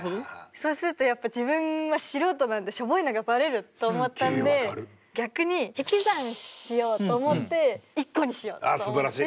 そうするとやっぱ自分は素人なのでしょぼいのがバレると思ったんで逆に引き算しようと思って１個にしようと思って。